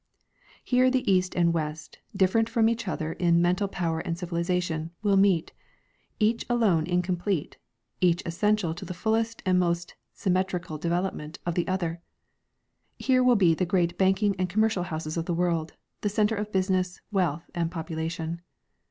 Here the east and west, different from each other in mental power and civilization, Avill meet, each alone incomplete, each essential to the fullest and most symmetrical development of the other. Here will be the great banking and commercial houses of the world, the center of business, wealth and population.